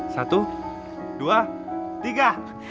satu dua tiga